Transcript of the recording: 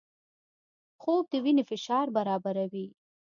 خوب د وینې فشار برابروي